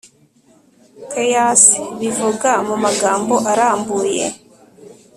Caraes bivuga mu magambo arambuye